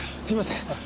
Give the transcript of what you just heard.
すいません。